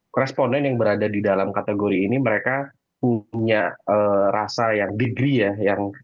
koresponden yang berada di dalam kategori ini mereka punya rasa yang degree ya